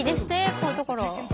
こういうところ。